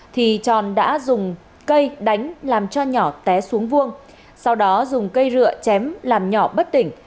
thì tròn đã dùng cây đánh làm cho nhỏ té xuống vuông sau đó dùng cây rượu chém làm nhỏ bất tỉnh